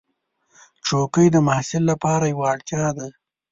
چوکۍ د محصل لپاره یوه اړتیا ده.